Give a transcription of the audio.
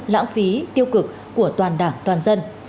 lãng phí tiêu cực của toàn đảng toàn dân